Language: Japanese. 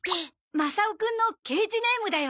マサオくんの刑児ネームだよ。